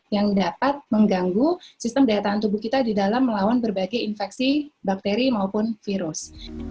yang dapat mengganggu sistem daya tahan tubuh kita di dalam melawan berbagai infeksi bakteri maupun virus